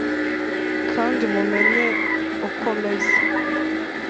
kandi mumenye uko meze: